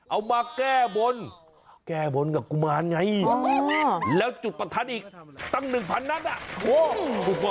เอามาแก้บ้นแก้บ้นกับกุมารไงและจุดประทัดอีกตั้ง๑๐๐๐นัทโอ้ย